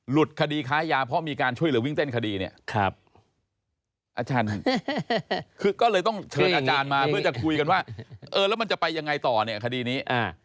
คดีค้ายาเพราะมีการช่วยเหลือวิ่งเต้นคดีเนี่ยอาจารย์คือก็เลยต้องเชิญอาจารย์มาเพื่อจะคุยกันว่าเออแล้วมันจะไปยังไงต่อเนี่ยคดีนี้